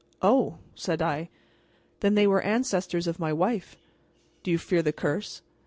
"Oh!" said I; "then they were ancestors of my wife." "Do you fear the curse?"